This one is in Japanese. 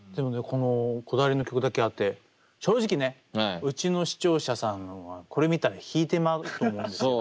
このこだわりの曲だけあって正直ねうちの視聴者さんはこれ見たら引いてまうと思うんですよ。